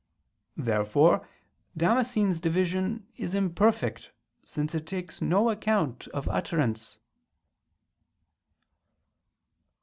Therefore Damascene's division is imperfect, since it takes no account of utterance.